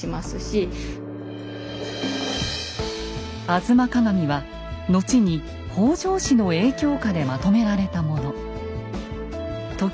「吾妻鏡」は後に北条氏の影響下でまとめられたもの。